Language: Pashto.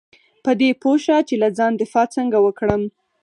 په دې پوه شه چې له ځان دفاع څنګه وکړم .